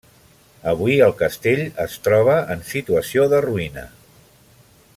Avui el castell es troba en situació de ruïna.